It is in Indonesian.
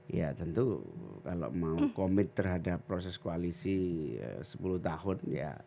ya tentu kalau mau komit terhadap proses koalisi sepuluh tahun ya